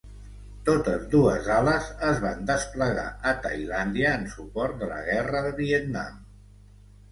Totes dues ales es van desplegar a Tailàndia en suport de la Guerra de Vietnam.